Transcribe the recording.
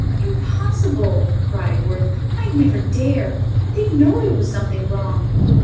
"Impossible," cried Worth. "I'd never dare! They'd know there was something wrong."